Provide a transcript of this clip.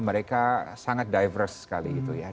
mereka sangat diverse sekali gitu ya